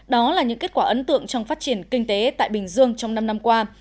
đó là những kết quả ấn tượng trong phát triển kinh tế tại bình dương trong năm năm qua